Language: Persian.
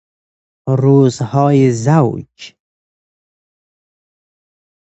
روزهای زوج